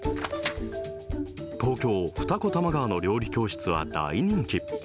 東京・二子玉川の料理教室は大人気。